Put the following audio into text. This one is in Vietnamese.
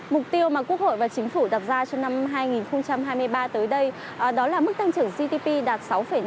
mục tiêu mà quốc hội và chính phủ đặt ra cho năm hai nghìn hai mươi ba tới đây đó là mức tăng trưởng gdp đạt sáu năm